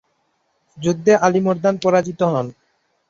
যুদ্ধে আলী মর্দান পরাজিত হন।